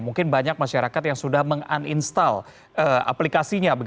mungkin banyak masyarakat yang sudah meng uninstall aplikasinya